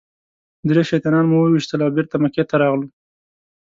درې شیطانان مو وويشتل او بېرته مکې ته راغلو.